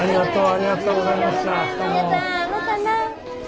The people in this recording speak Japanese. ありがとうございましたまたな。